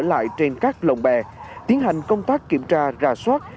lại trên các lồng bè tiến hành công tác kiểm tra ra soát